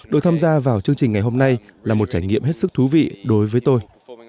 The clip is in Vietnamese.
tôi tham gia vào chương trình ngày hôm nay là một trải nghiệm hết sức thú vị đối với tôi